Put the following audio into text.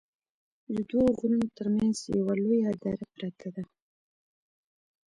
ددوو غرونو تر منځ یوه لویه دره پراته ده